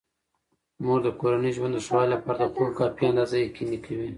مور د کورني ژوند د ښه والي لپاره د خوب کافي اندازه یقیني کوي.